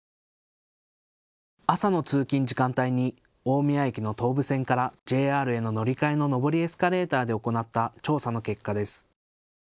朝の通勤時間帯に大宮駅の東武線からＪＲへの乗り換えの上りエスカレーターで行った調査の結果です。